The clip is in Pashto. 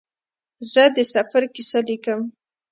زه د سفر کیسه لیکم.